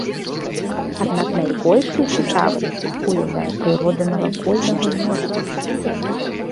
Аднак найбольшую цікавасць уяўляе прырода навакольнага мора.